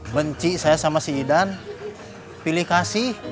benci saya sama si idan pilih kasih